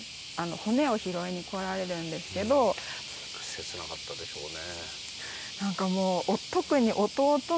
切なかったでしょうね。